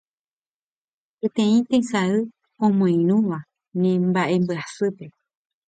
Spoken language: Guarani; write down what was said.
Peteĩ tesay omoirũva ne mba'embyasýpe